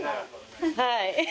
はい。